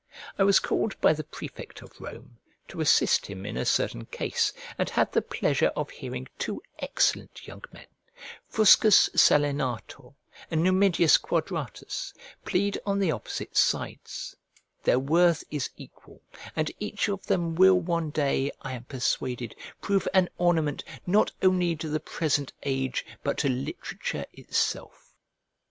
I was called by the prefect of Rome, to assist him in a certain case, and had the pleasure of hearing two excellent young men, Fuscus Salinator and Numidius Quadratus, plead on the opposite sides: their worth is equal, and each of them will one day, I am persuaded, prove an ornament not only to the present age, but to literature itself.